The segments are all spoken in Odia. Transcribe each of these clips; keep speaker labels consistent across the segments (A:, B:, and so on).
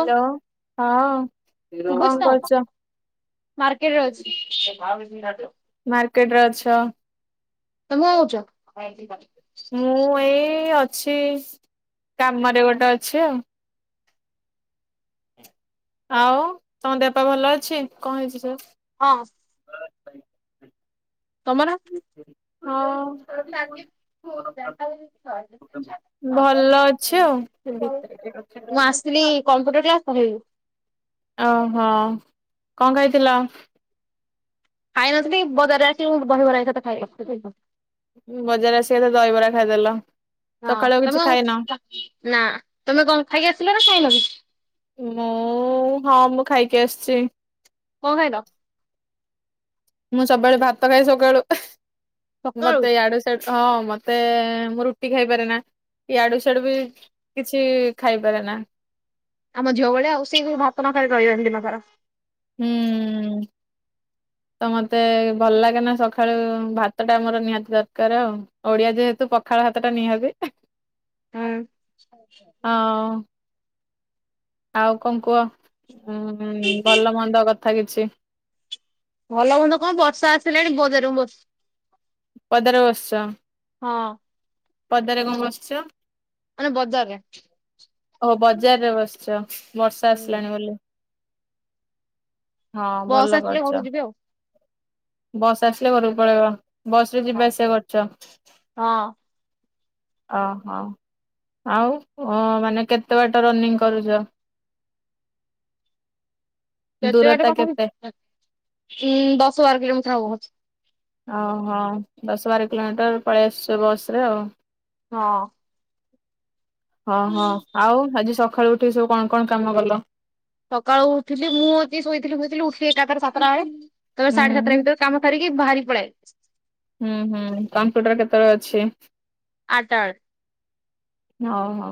A: ହାଲୋ ହଁ। କଣ
B: ଶୁବୁଚି ତ,
A: କରୁଛ?
B: ମାର୍କେଟ ରେ ଅଛି।
A: ମାର୍କେଟରେ ଅଛ।
B: ତମେ କଣ କରୁଚ?
A: ମୁଁ ଏଇ ଅଛି କାମରେ ଗୋଟେ ଅଛି ଆଉ। ଆଉ ତମ ଦେହ ପା ଭଲ ଅଛି, କଣ ହେଇଚି ସାର୍?
B: ହଁ। ତମର?
A: ହଁ।
B: [unintelligible]
A: ଭଲ ଅଛି ଆଉ।
B: ମୁଁ ଆସିଥିଲି କମ୍ପ୍ୟୁଟର କ୍ଲାସ୍ [unintelligible]
A: ଓହୋ, କଣ ଖାଇଥିଲ?
B: ଖାଇନଥିଲି, ବଜାରରେ ଆସି ମୁଁ ଦହିବରା ଏକାଥେରେ ଖାଇଲି।
A: ବଜାରରେ ଆସି ଏକାଥେରେ ଦହିବରା ଖାଇଦେଲ। ସକାଳୁ
B: ତମେ
A: କିଛି
B: କଣ
A: ଖାଇନ?
B: ଖାଇକି ଆସିଲ ନା ଖାଇନ କିଛି?
A: ମୁଁ ହଁ ମୁଁ ଖାଇକି ଆସ୍ଚି।
B: କଣ ଖାଇଲ?
A: ମୁଁ ସବୁବେଳେ ଭାତ ଖାଏ ସକାଳୁ,
B: ସକାଳୁ
A: ମତେ ୟାଡୁ ହଁ ମତେ ମୁଁ ରୁଟି ଖାଇପାରେନା, ୟାଡୁ ସ୍ୟାଡୁ ବି କିଛି ଖାଇପାରେନା।
B: ଆମ ଝିଅ ଭଳିଆ ଆଉ, ସିଏ ବି ଭାତ ନ ଖାଇ ରହିବନି ଦିନସାରା।
A: ହୁଁ ତ ମତେ ଭଲ୍ ଲାଗେନା ସଖାଳୁ ଭାତ ଟା ମୋର ନିହାତି ଦରକାର୍ ଆଉ। ଓଡିଆ ଯେହେତୁ ପଖାଳ ଭାତଟା ନିହାତି।
B: ହୁଁ।
A: ହଁ ଆଉ କଣ କୁହ ଉଁ ଭଲ ମନ୍ଦ କଥା କିଛି?
B: ଭଲ ମନ୍ଦ କଣ ବର୍ଷା ଆସିଲାଣି [unintelligible] ମୁଁ ବସ୍ଚି।
A: ପଦାରେ ବସ୍ଚ?
B: ହଁ।
A: ପଦାରେ କଣ ବସିଛ?
B: ମାନେ ବଜାରରେ।
A: ଓ ବଜାରରେ ବସିଛ ବର୍ଷା ଆସିଲାଣି ବୋଲି। ହଁ ଭଲ
B: ବସ୍ ଆସିଲେ
A: କରିଛ।
B: ଘରୁକୁ ଯିବି ଆଉ।
A: ବସ୍ ଆସିଲେ ଘରକୁ ପଳେଇବ। ବସ୍ ରେ
B: ଆଉ
A: ଯିବା ଆସିବା କରଛ?
B: ହଁ।
A: ଓହୋ। ଆଉ ମାନେ କେତେ ବାଟ ରନିଂ କରୁଛ?
B: କେତେବାଟ
A: ଦୂରତା
B: କଥା
A: କେତେ?
B: ଉଁ ଦଶ ବାର କିଲୋମିଟର ହବ ବୋଧେ।
A: ଓହୋ ଦଶ ବାର କିଲୋମିଟର ପଳେଇ ଆସଛ ବସ ରେ ଆଉ।
B: ହଁ।
A: ହଁ ହଁ ଆଉ ଆଜି ସକାଳୁ ଉଠିକି ସବୁ କଣ କଣ କାମ କଲ?
B: ସକାଳୁ ଉଠିଲି ମୁଁ ଅଛି ଶୋଇଥିଲି ଶୋଇଥିଲି ଉଠିଲି ଏକାଥରେ ସାତଟା ବେଳେ। ତାପରେ
A: ଉଁ
B: ସାଢେ ସାତଟା ଭିତରେ କାମ ସାରିକି ବାହାରିକି ପଳେଇ ଆଇଲି।
A: ହୁଁ ହୁଁ କମ୍ପ୍ୟୁଟର କେତେବେଳେ ଅଛି?
B: ଆଠଟା ବେଳେ।
A: ହଉ ହଉ।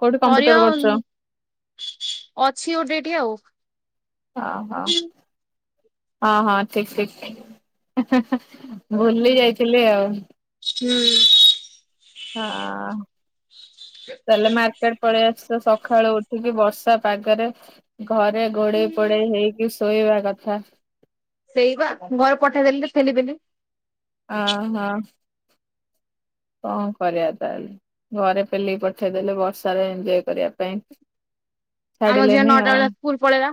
A: କୋଉଠି କମ୍ପ୍ୟୁଟର କରୁଛ?
B: ହରିଅମ ଅଛି ଗୋଟେ ଏଠି ଆଉ।
A: ହଁ ହଁ ହଁ ହଁ ଠିକ ଠିକ। [inaudible] ଭୁଲି ଯାଇଥିଲି ଆଉ।
B: ହୁଁ।
A: ହଁ।
B: [unintelligible]
A: ତାହେଲେ ମାର୍କେଟ ପଳେଇ ଆସଛ ସକାଳୁ ଉଠିକି ବର୍ଷା ପାଗରେ ଘରେ ଘୋଡେଇ ପୋଡେଇ ହେଇକି ଶୋଇବା କଥା।
B: ସେଇ ବା, ଘରୁ ପଠେଇଦେଲି ଠେଲିପେଲି।
A: ଅ ହଁ। କଣ କରିଆ ତାହେଲେ? ଘରେ ପେଲିକି ପଠେଇଦଲେ ବର୍ଷାରେ ଏଞ୍ଜୟ୍ କରିବା ପାଇଁ।
B: ଆମ ଝିଅ
A: ଛାଡିଲେନି
B: ନଅଟା
A: ଆଉ।
B: ବେଳେ ସ୍କୁଲ ପଳେଇଲା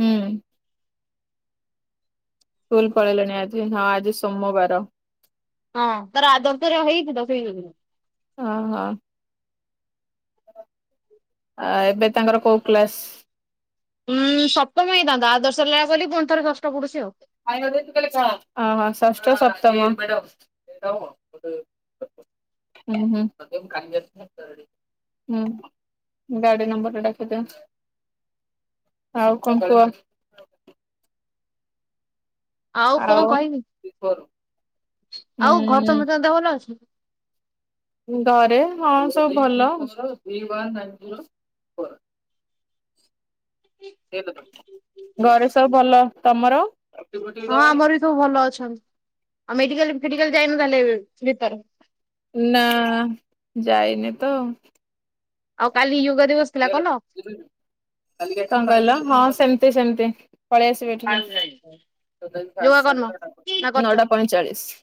A: ହୁଁ। ସ୍କୁଲ ପଳେଇଲେଣି ଆଜି, ହଁ ଆଜି ସୋମବାର।
B: ହଁ, ତାର ଆଦର୍ଶରେ ହେଇଛି ତ। ସେଇ ଯୋଗୁରୁ।
A: ହଁ ହଁ। ଆ, ଏବେ ତାଙ୍କର କୋଉ କ୍ଲାସ୍?
B: ଉୁଁ ସପ୍ତମ ହେଇଥାନ୍ତା, ଆଦର୍ଶ ରେ ଲେଆ ପୁଣି ଥରେ ଷଷ୍ଠ ପଡୁଛି ଆଉ।
A: ହ ହ ଷଷ୍ଠ, ସପ୍ତମ। ହୁଁ ହୁଁ। ହୁଁ, ଗାଡି ନମ୍ବର ଟା ଡାକିଦିଅ। ଆଉ କଣ କୁହ?
B: ଆଉ କଣ କହିମି। ଆଉ ଘରେ ସମସ୍ତ କ ଦେହ ଭଲ ଅଛି?
A: ଘରେ, ହଁ ସବୁ ଭଲ। [unintelligible] ଘରେ
B: ହଁ
A: ସବୁ ଭଲ ତମର?
B: ହଁ, ଆମର ବି ସବୁ ଭଲ ଅଛନ୍ତି। ଆଉ ମେଡିକାଲ ଫେଡିକାଲ ଯାଇନୁ ତାହେଲେ ଏଇ ଭିତରେ?
A: ନା, ଯାଇନି ତ।
B: ଆଉ କାଲି ୟୋଗା ଦିବସ ଥିଲା କଲ
A: [unintelligible] କଣ କହିଲ? ହଁ ସେମିତି ସେମତି, ପଳେଇଆସ।
B: ୟୋଗା କରିନ? ନା କରିଛ
A: ନଅଟା ପଇଁଚାଳିଶି।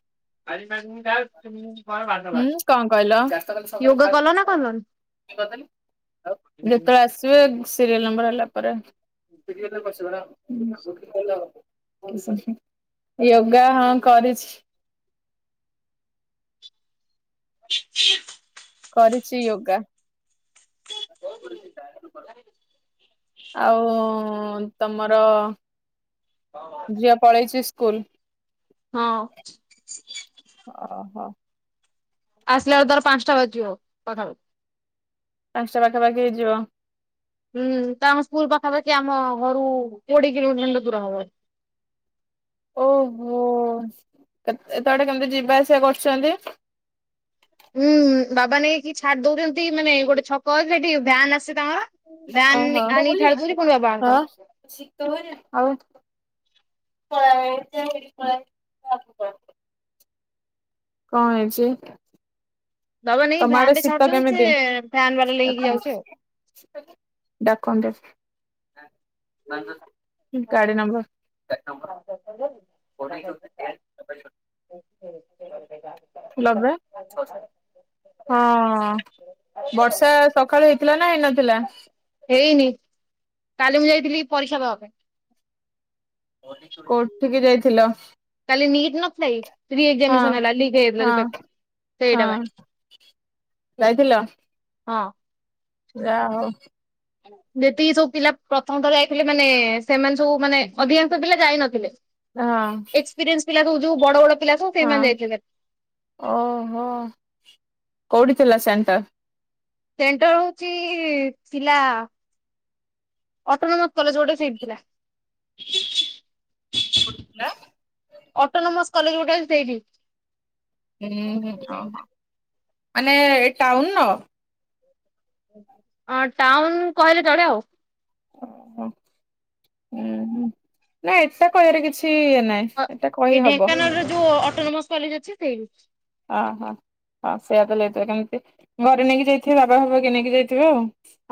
A: ହୁଁ, କଣ କହିଲ?
B: ୟୋଗା କଲ ନା କଲନି
A: ଯେତେବେଳେ ସିରିଏଲ୍ ନମ୍ବର ହେଲା ପରେ। ୟୋଗା ହଁ କରିଚି।
B: [unintelligible]
A: କରିଚି ୟୋଗା। ଆଉ, ତମର ଝିଅ ପଲେଇଚି ସ୍କୁଲ୍।
B: ହଁ।
A: ଅ ହ।
B: ଆସିଲା ବେଳକୁ ତାର ପାଞ୍ଚଟା ବାଜିଯିବ, ପାଖାପାଖି।
A: ପାଞ୍ଚଟା ପାଖାପାଖି ହେଇଯିବ।
B: ହୁଁ, ତାଙ୍କ ସ୍କୁଲ ପାଖାପାଖି ଆମ ଘରୁ କୋଡିଏ କିଲୋମିଟର ଖଣ୍ଡେ ଦୂର ହବ।
A: ଓହୋ, ଏତେ ବାଟ କେମତି ଯିବା ଆସିବା କରୁଚନ୍ତି?
B: ହୁଁ, ବାବା ନେଇକି ଛାଡି ଦଉଚନ୍ତି, ମାନେ ଗୋଟେ ଛକ ଅଛି। ସେଠି ଭ୍ୟାନ ଆସେ ତାଙ୍କର। ଭ୍ୟାନ୍, ଆଣିକି ଛାଡ଼ିଦଉଚି, ପୁଣି ବାବା ଆଣୁଚନ୍ତି।
A: ଶୀତ ହୁଏନି? ଆଉ। [unintelligible] କଣ ହେଇଚି?
B: ବାବା ନେଇକି
A: ତମ
B: ଭ୍ୟାନ
A: ଆଡେ
B: ରେ
A: ଶୀତ
B: ଛାଡୁଛନ୍ତି ସେ
A: କେମିତି?
B: ଭ୍ୟାନ ବାଲା ନେଇକି ଯାଉଛି
A: ଡାକନ୍ତୁ। ଗାଡ଼ି ନମ୍ବର
B: ପଇସା ଦେଲୁ?
A: [unintelligible] ଲବେ
B: [unintelligible]
A: ହଁ, ବର୍ଷା ସକାଳୁ ହେଇଥିଲା ନା, ହେଇନଥିଲା?
B: ହେଇନି, କାଲି ମୁଁ ଯାଇଥିଲି ପରୀକ୍ଷା ଦବା ପାଇଁ।
A: କୋଉଠିକି ଯାଇଥିଲ?
B: କାଲି ନିଟ ନ ଥିଲାକି? ରି
A: ହଁ
B: ଏକ୍ସାମିନସେନ ହେଲା, ଲିକ୍ ହେଇ ଯାଇଥିଲା
A: ହଁ
B: ଯୋଉ ପେପ, ସେଇଟାପା।
A: ହଁ ଯାଇଥିଲ?
B: ହଁ।
A: ଯାହା ହଉ।
B: ଯେତିକି ସବୁ ପିଲା ପ୍ରଥମଥର ଯାଇଥିଲେ ମାନେ, ସେମାନେ ସବୁ ମାନେ, ଅଧିକାଂଶ ପିଲା ଯାଇନଥିଲେ।
A: ହଁ।
B: ଏକ୍ସପେରିଅନ୍ସ ପିଲା ଠୁ ଯୋଉ ବଡ଼ ବଡ଼
A: ହଁ, ଓହୋ, କୋଉଠି ଥିଲା ସେଣ୍ଟର?
B: ସେଣ୍ଟର ହଉଚି ଥିଲା ଅଟନମଥ କଲେଜ ଗୋଟେ, ସେଇଠି ଥିଲା।
A: କୋଉଠି ଥିଲା?
B: ଅଟୋନୋମସ କଲେଜ ଗୋଟେ ଅଛି, ସେଇଠି।
A: ହୁଁ ହୁଁ ହ ହ, ମାନେ ଏଇ ଟାଉନ ର?
B: ଅଁ ଟାଉନ କହିଲେ ଚଳେ ଆଉ।
A: ଓହୋ ଉଁ ହୁଁ ନା ଏଟା କହିବାରେ କିଛି ନାହିଁ।
B: ଆ
A: ଏଟା
B: ଏଇ
A: କହିହବ
B: ଢେଙ୍କାନାଳର ଯୋଉ ଅଟୋନୋମସ କଲେଜ ଅଛି ସେଇଠି।
A: ଅ ହ ଅ ସେଇୟା ତ ନେଇଥିବେ କେମିତି ଘରେ ନେଇକି ଯାଇଥିବେ ବାବା ଫାବା କିଏ ନେଇକି ଯାଇଥିବେ ଆଉ।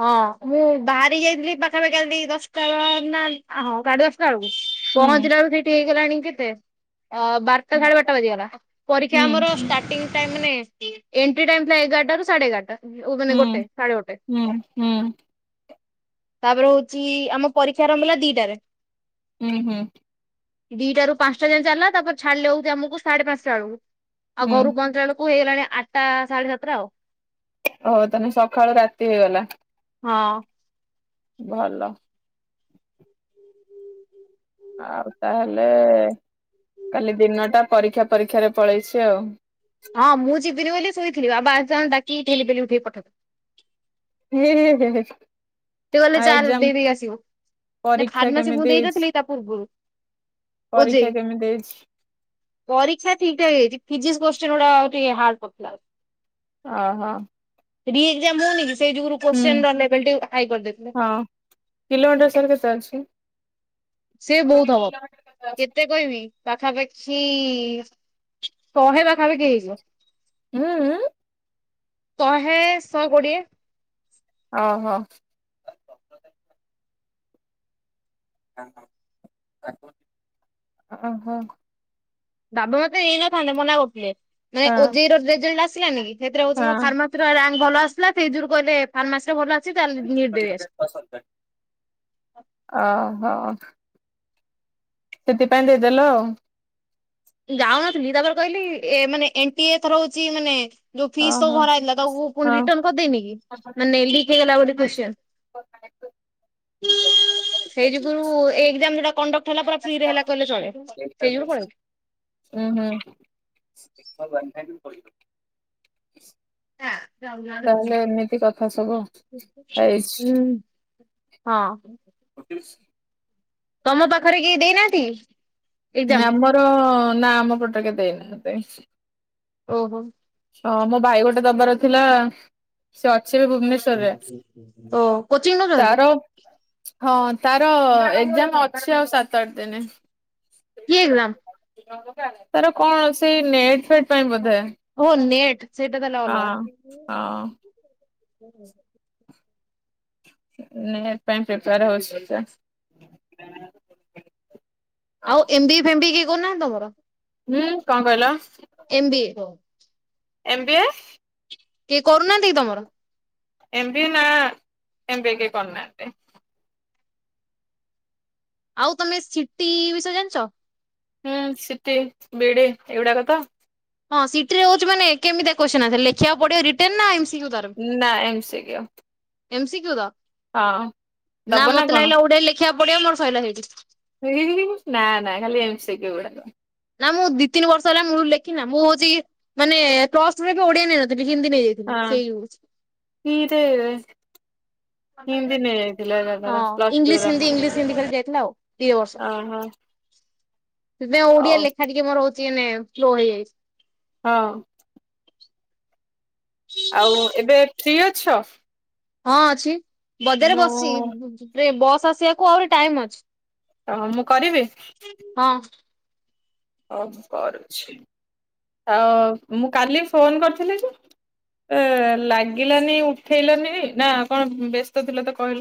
B: ହଁ ମୁଁ ବାହାରିକି ଯାଇଥିଲି ପାଖାପାଖି [unintelligible] ଦଶଟା ବ ନା ହ ସାଡ଼େ ଦଶଟା ବେଳକୁ।
A: ହୁଁ
B: ପହଞ୍ଚିଲା ବେଳୁ ସେଇଠି ହେଇଗଲାଣି କେତେ ଅ ବାର ଟା ସାଢ଼େ ବାରଟା ବାଜିଗଲା ପରୀକ୍ଷା
A: ହୁଁ
B: ଆମର ଷ୍ଟାର୍ଟିଂ ଟାଇମ୍ ମାନେ ଏଣ୍ଟ୍ରି ଟାଇମ୍ ଥିଲା ଏଗାରଟା ରୁ ସାଢ଼େ ଏଗାରଟା। ମାନେ ଗୋଟେ
A: ହୁଁ
B: ସାଢେ ଗୋଟେ।
A: ହୁଁ ହୁଁ।
B: ତାପରେ ହୋଉଚି ଆମ ପରୀକ୍ଷା ଆରମ୍ଭ ହେଲା ଦିଟାରେ।
A: ଉଁ ହୁଁ‌।
B: ଦିଟ ରାରୁ ପାଁସ୍ ଟା ଯାଏ ଚାଲିଲା ତାପରେ ଛାଡ଼ିଲେ ବୋଧେ ଆମକୁ ସାଢ଼େ ପାଁସ୍ ଟା ବେଳକୁ। ଆଉ
A: ହୁଁ
B: ଘରୁ ପହଞ୍ଚିଲା ବେଳକୁ ହେଇଗଲାଣି ଆଠଟା ସାଢ଼େ ସାତଟା ଆଉ।
A: ଓହୋ ତାହେଲେ ସକାଳୁ ରାତି ହେଇଗଲା‌।
B: ହଁ।
A: ଭଲ‌।
B: ହୁଁ
A: ଆଉ ତାହେଲେ କାଲି ଦିନଟା ପରୀକ୍ଷା ପରୀକ୍ଷାରେ ପଳେଇଛି ଆଉ।
B: ହଁ ମୁଁ ଯିବିନି ବୋଲି ଶୋଇଥିଲି ବାବା [unintelligible] ଡାକିକି ଠେଲି ପେଲିକି ଉଠେଇକି ପଠେଇ [unintelligible]
A: ହେ ହେ ହେ ହେ ହେ।
B: ସେ କହିଲେ ଚାଲେ ଦେଇ ଦେଇକି ଆସିବୁ ନା
A: ପରୀକ୍ଷା
B: ଖାର୍ ମାସି ମୁଁ
A: କେମିତି ହେଇଛି?
B: ଦେଇନଥିଲି କି ତା ପୂର୍ବରୁ।
A: ପରୀକ୍ଷା
B: ଓଜେଇ
A: କେମିତି ହେଇଛି?
B: ପରୀକ୍ଷା ଠିକ ଠାକ ହେଇଛିି ଫିଜିିକ୍ସ କୋଶ୍ଚିନ୍ ଉଡ଼ା ଆଉ ଟିକେ ହାର୍ଡ ପଡ଼ିଥିଲା ଆଉ।
A: ଅହ‌।
B: ରି ଏକ୍ଜାମ ହଉନି କି ସେଇ ଯୁଗରୁ
A: ହୁଁ
B: କୋଶ୍ଚିନ୍ ର ଲେବଲ୍ ଟିକେ ହାଏ କରିଦେଇଥିଲେ।
A: ହଁ କିଲୋମିଟର ସାର କେତେ ଅଛି?
B: ସେ
A: ମୁଁ କହିଲି
B: ବୋହୁତ ହବ
A: କିଲୋମିଟର ଅଛି?
B: କେତେ କହିବି ପାଖାପାଖି ଶହେ ପାଖାପାଖି ହେଇଯିବ।
A: ହୁଁ?
B: ଶହେ ଶହେ କୋଡ଼ିଏ।
A: ଓହୋ। ଆହ।
B: ବାବା ମତେ ନେଇନଥାନ୍ତେ ମନା କରୁଥିଲେ ମାନେ
A: ହଁ
B: ଓଜେଇ ର ରେଜଲ୍ଟ ଆସିଲାନି କି ସେଥିରେ ହଉଛି ମୋ
A: ହଁ।
B: ଫାର୍ମା ଦିୟା ଭଲ ଆସିଥିଲା ସେଇ ଯୁଗୁରୁ କହିଲେ ଫାର୍ମାସି ତ ଭଲ ଅଛି ତାହେଲେ ନିଟ୍ ଦେ ଆସ୍
A: [unintelligible] ଅହ ସେଥିପାଇଁ ଦେଇଦେଲ ଆଉ।
B: ଯାଉନଥିଲି ତାପରେ କହିଲି ଏ ମାନେ ଏଣ୍ଟ୍ରି ଏଥର ହୋଉଛି ମାନେ ଯୋଉ ଫିସ୍ ସବୁ
A: ଓହୋ
B: ଭରା ହେଇଥିଲା ତାକୁ ପୁଣି
A: ହଁ।
B: ରିଟର୍ନ କରିଦେଇନି କି? ମାନେ ଲିକ୍ ହେଇଗଲା ବୋଲି କ୍ଵଶ୍ଚିନ। ସେଇ ଯୁଗୁରୁ ଏଇ ଏଗ୍ଜାମ ଯୋଉଟା କଣ୍ଡକ୍ଟ ହେଲା ପୁରା ଫ୍ରିରେ ହେଲା କହିଲେ ଚଳେ ସେଇ ଯୁଗୁରୁ ପଳେ ଆଇଲି।
A: ଉଁ ହୁଁ।
B: [inaudible]
A: ତାହେଲେ ଏମିତି କଥା ସବୁ
B: ହୁଁ।
A: ହେଇଛି।
B: ହଁ।
A: ପ [inaudible]
B: ତମ ପାଖରେ କିଏ ଦେଇନାହାନ୍ତି। ଏକ୍ଜାମ
A: ନାଁ ଆମର ନା ଆମ ପଟେ କିଏ ଦେଇନାହାନ୍ତି
B: ଓହୋ
A: ହଁ ମୋ ଭାଇ ଗୋଟେ ଦବାର ଥିଲା ସେ ଅଛି ଏବେ ଭୁବନେଶ୍ୱରରେ
B: ତ କୋଚିଂ
A: ତାର
B: ନଉଛନ୍ତି
A: ହଁ ତାର ଏକ୍ଜାମ ଅଛି ଆଉ ସାତ ଆଠ ଦିନ।
B: କିଏ ହେଲା।
A: ତାର କଣ ସେଇ ନେଟ ଫେଟ ପାଇଁ ବୋଧେ।
B: ଓ ନିଟ।
A: ହଁ ହଁ
B: ହୁଁ [inaudible]
A: ନିଟ ପାଇଁ ପ୍ରିପେୟାର ହଉଛି
B: ଆଉ ଏମବିଏ ଫେମ୍ ବିଏ କିଏ କରୁନାହାନ୍ତି ତମର।
A: ହୁଁ କଣ କହିଲ।
B: M B A.
A: M B A
B: କିଏ କରୁନାହାନ୍ତି କି ତମର
A: ଏମ ବି ଏ ନା ଏମ ବି ଏ କେହି କରୁନାହାନ୍ତି।
B: ଆଉ ତମେ ସିଟି ବିଷୟ ଜାଣିଛ।
A: ହୁଁ ସିଟି ବିଇଡ଼ି ଏଗୁଡାକ ତ
B: ହଁ ସିଟି ରେ ହଉଛି ମାନେ କେମତିଆ କ୍ୱଶ୍ଚିନ ଆନ୍ସର୍ ଲେଖିବାକୁ ପଡିବ ରିଟେନ ନା ଏମ୍ ସି କ୍ୟୁ ଦବ।
A: ନାଁ M C Q.
B: M C Q ତ
A: ହଁ
B: ନା
A: ଦବ
B: ମତେ
A: କଣ?
B: ଲାଗିଲା ଗୁଡେ ଲେଖିବାକୁ ପଡିବ ମୋର ସଇଲା ସେଇଠି।
A: ନା ନା ଖାଲି ଏମି ସି କ୍ୟୁ ଗୁଡାକ।
B: ନା ମୁଁ ଦି ତିନି ବର୍ଷ ହେଲା ମୁଳରୁ ଲେଖିନି ନାଁ ମୁଁ ହଉଛି ମାନେ ପ୍ଲସ ଟୁ ରେ ବି ଓଡିଆ ନେଇନଥିଲି ହିନ୍ଦୀ ନେଇଯାଇଥିଲି। ଥିଲ
A: ହଁ।
B: ସେଇ ହଉଛି [unintelligible]
A: ହିନ୍ଦୀ ନେଇଯାଇଥିଲାନାକଣ ପ୍ଲସ ଟୁ
B: ଇଂଲିଶ
A: ର
B: ହିନ୍ଦୀ ଇଂଲିଶ ହିନ୍ଦୀ ଖାଲି ଯାଇଥିଲା ଆଉ। ଦି ବର୍ଷ।
A: ଓହୋ
B: ସେଥିପାଇଁ ଓଡିଆ
A: ହଉ
B: ଲେଖା ଟିକେ ମୋର ହଉଛି ଏଇନେ ସ୍ଲୋ ହେଇଯାଇଛି।
A: ହଁ ଆଉ ଏବେ ଫ୍ରି ଅଛ।
B: ହଁ ଅଛି ବଜାରରେ ରେ
A: ମୁଁ
B: ବସିଛି ବସ୍ ଆସିବାକୁ ଆହୁରି ଟାଇମ ଅଛି।
A: ହ ମୁଁ କରିବି।
B: ହଁ
A: ହଉ କରୁଛି ଆଉ ମୁଁ କାଲି ଫୋନ କରିଥିଲି ଯେ ଲାଗିଲାନି ଉଠେଇଲନି ନା କଣ ବ୍ୟସ୍ତ ଥିଲ ତ କହିଲ।